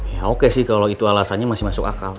ya oke sih kalau itu alasannya masih masuk akal